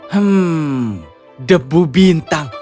hmm debu bintang